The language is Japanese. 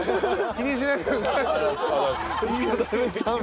気にしないでください。